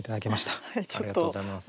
ありがとうございます。